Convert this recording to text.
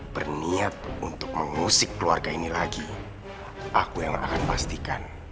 berniat untuk mengusik keluarga ini lagi aku yang akan pastikan